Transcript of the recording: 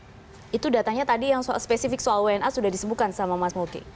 jadi sudah datangnya tadi yang spesifik soal wna sudah disebutkan sama mas moki